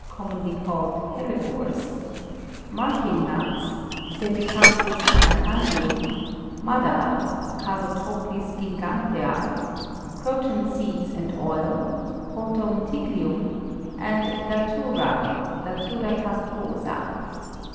commonly called hellebores ; marking nuts (Semecarpus anacardiwm) ; Madar (Calotropis gigantea) ; croton seeds and oil (Croton tiglium) ; and Datura (Datura fastuosa).